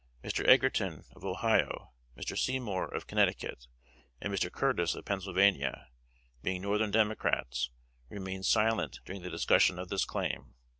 Mr. Edgerton, of Ohio, Mr. Seymour, of Connecticut, and Mr. Curtis, of Pennsylvania, being Northern Democrats, remained silent during the discussion of this claim.